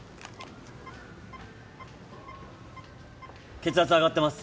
血圧上がってます。